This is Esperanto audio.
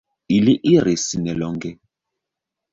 Ili iris nelonge.